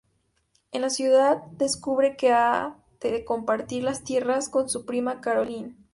En la ciudad descubre que ha de compartir las tierras con su prima Carolyn.